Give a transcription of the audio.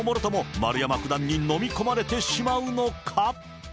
丸山九段に飲み込まれてしまうのか。